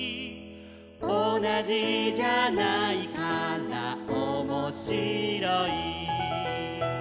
「おなじじゃないからおもしろい」